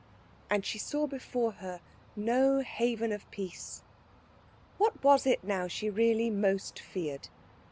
and she saw before her no haven of peace. What was it now she really most feared?